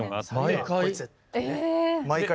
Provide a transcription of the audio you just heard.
毎回？